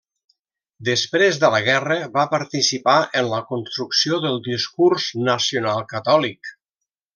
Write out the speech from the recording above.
Després de la guerra va participar en la construcció del discurs nacional-catòlic.